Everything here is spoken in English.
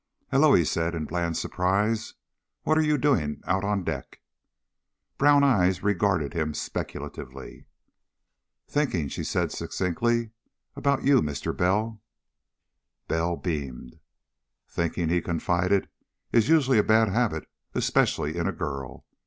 "Hullo," he said in bland surprise. "What are you doing out on deck?" Brown eyes regarded him speculatively. "Thinking," she said succinctly. "About you, Mr. Bell." Bell beamed. "Thinking," he confided, "is usually a bad habit, especially in a girl.